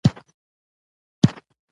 د هـوا کـکړتـيا چاپـېريال ته هم زيان رسـوي